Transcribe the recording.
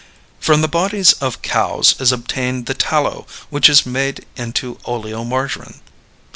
From the bodies of cows is obtained the tallow which is made into oleomargarin.